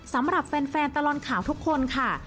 สำหรับแฟนตลอดข่าวทุกคนค่ะ